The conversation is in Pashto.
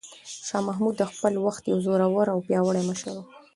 شاه محمود د خپل وخت یو زړور او پیاوړی مشر و.